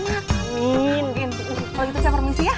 kalo gitu saya permisi ya